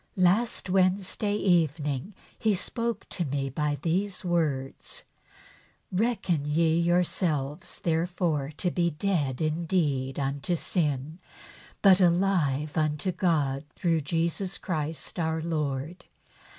Last Wednesday evening He spoke to me by these words :' Reckon ye yourselves therefore to be dead indeed unto sin, but alive unto God through Jesus Christ our Lord.